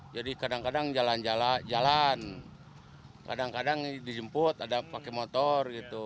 jadi kadang kadang jalan jalan kadang kadang dijemput ada pakai motor gitu